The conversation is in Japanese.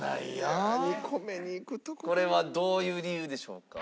これはどういう理由でしょうか？